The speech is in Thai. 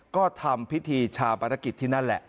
ก็ทำพิธีชาปนกิจที่นั่นแหละ